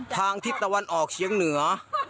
ทางทิศตรรวรณออกเชียงเหนือ